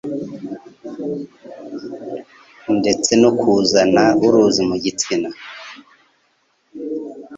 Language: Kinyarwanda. ndetse no kuzana uruzi mu gitsina